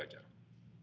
dan jaga jarum